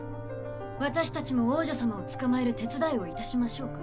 私たちも王女様を捕まえる手伝いをいたしましょうか？